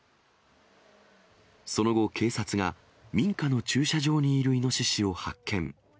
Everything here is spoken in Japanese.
その後、警察が、民家の駐車場にいるイノシシを発見。